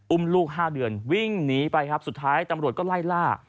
ลูก๕เดือนวิ่งหนีไปครับสุดท้ายตำรวจก็ไล่ล่า